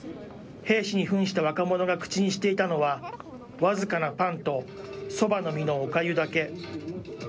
兵士にふんした若者が口にしていたのは、僅かなパンと、そばの実のおかゆだけ。